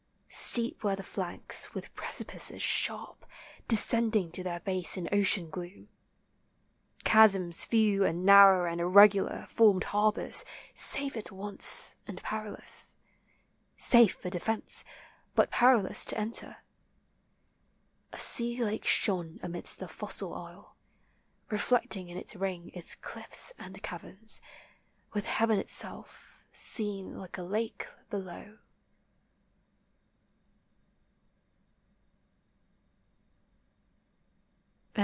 ,. Steep were the flanks, with precipices sharp, 398 POEMS OF NATURE. Descending to their base in ocean gloom. Chasms few and narrow and irregular Formed harbors, safe at once and perilous, — Safe for defence, but perilous to enter. A sea lake shone amidst the fossil isle, Reflecting in a ring its cliffs and caverns, With heaven itself seen like a lake below.